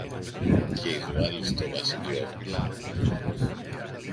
και εισβάλλει στο βασίλειό μας.